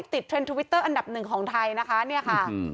เทรนด์ทวิตเตอร์อันดับหนึ่งของไทยนะคะเนี่ยค่ะ